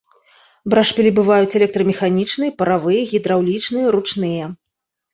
Брашпілі бываюць электрамеханічныя, паравыя, гідраўлічныя, ручныя.